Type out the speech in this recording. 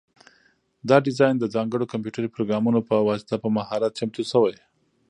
دا ډیزاین د ځانګړو کمپیوټري پروګرامونو په واسطه په مهارت چمتو شوی.